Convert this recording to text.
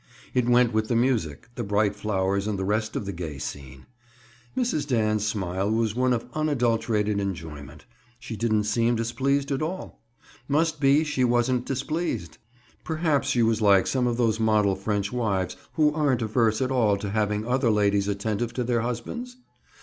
It went with the music, the bright flowers and the rest of the gay scene. Mrs. Dan's smile was one of unadulterated enjoyment; she didn't seem displeased at all. Must be she wasn't displeased! Perhaps she was like some of those model French wives who aren't averse at all to having other ladies attentive to their husbands?